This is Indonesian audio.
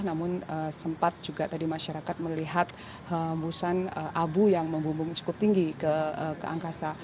namun sempat juga tadi masyarakat melihat hembusan abu yang membumbung cukup tinggi ke angkasa